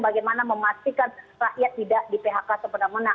bagaimana memastikan rakyat tidak di phk semena mena